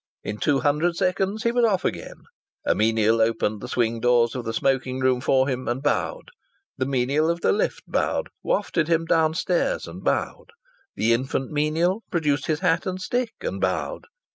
In two hundred seconds he was off again. A menial opened the swing doors of the smoking room for him and bowed. The menial of the lift bowed, wafted him downwards and bowed. The infant menial produced his hat and stick and bowed.